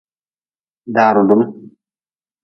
Da rudm.